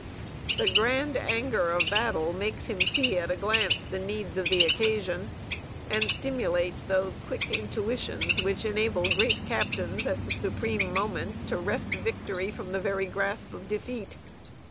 The "grand anger of battle" makes him see at a glance the needs of the occasion, and stimulates those quick intuitions which enable great captains, at the supreme moment, to wrest victory from the very grasp of defeat.